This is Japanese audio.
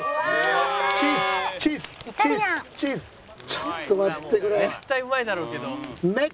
ちょっと待ってくれ。